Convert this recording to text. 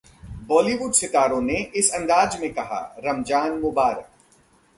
बॉलीवुड सितारों ने इस अंदाज में कहा, रमजान मुबारक!